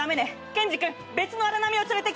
ケンジ君別のアラナミを連れてきて。